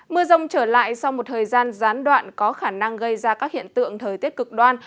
mưa rông trở lại sau một thời gian gián đoạn có khả năng gây ra các hiện tượng thời tiết cực đoan